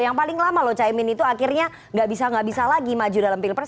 yang paling lama loh caimin itu akhirnya nggak bisa nggak bisa lagi maju dalam pilpres